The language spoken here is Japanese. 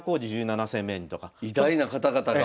偉大な方々が。